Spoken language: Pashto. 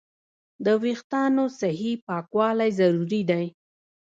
د وېښتیانو صحیح پاکوالی ضروري دی.